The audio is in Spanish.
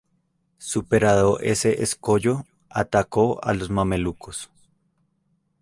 Superado ese escollo, atacó a los mamelucos.